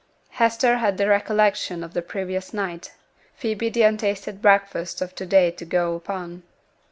Hester had the recollection of the previous night, Phoebe the untasted breakfast of to day to go upon.